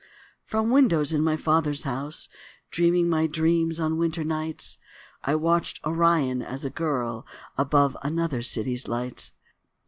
From windows in my father's house, Dreaming my dreams on winter nights, I watched Orion as a girl Above another city's lights.